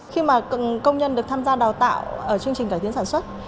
khi mà công nhân được tham gia đào tạo ở chương trình cải tiến sản xuất